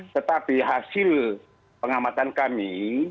tetapi hasil pengamatan kami